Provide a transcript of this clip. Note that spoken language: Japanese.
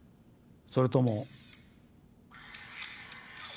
それとも。